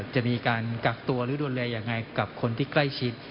จะมีการกักตัวหรือดูแลยังไงกับคนที่ใกล้ชิด